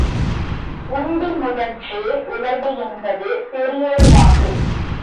உண்டி முதற்றே உலகு என்பது பெரியோர் வாக்கு.